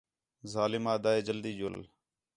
ظالم آہدا ہِے جلدی ڄُل